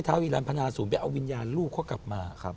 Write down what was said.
วีรันพนาศูนย์ไปเอาวิญญาณลูกเขากลับมา